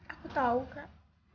aku tau kak